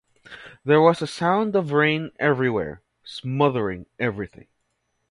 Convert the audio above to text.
There was a sound of rain everywhere, smothering everything.